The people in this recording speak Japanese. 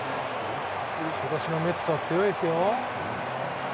今年のメッツは強いですよ。